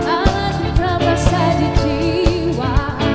awan ku perasa di jiwa